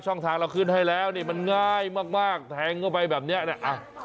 ทางเราขึ้นให้แล้วนี่มันง่ายมากแทงเข้าไปแบบนี้เนี่ย